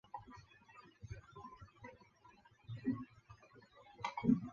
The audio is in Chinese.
其广告短片由负责制作。